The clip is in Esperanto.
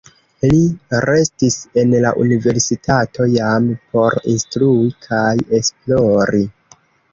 Li restis en la universitato jam por instrui kaj esplori.